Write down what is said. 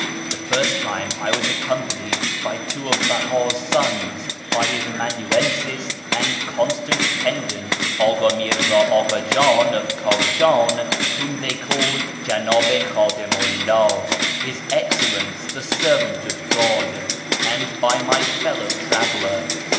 The first time I was accompanied by two of Beh; i's sons, by his amanuensis and constant atten dant Aka Mi'rza Akfi Jiin of Kiishiln, whom they call ' Jcndh i Kliddimu 'lldh' ('His Excellence the Servant of God'), and by my fellow traveller.